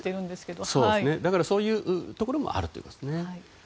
だから、そういうところもあるということですね。